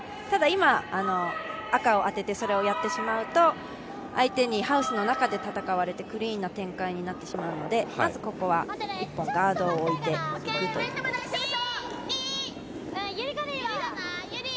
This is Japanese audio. ただ、今、赤を当てて、それをやってしまうと相手にハウスの中で戦われてクリーンな展開になってしまうのでまずここは１本、ガードを置いていくということです。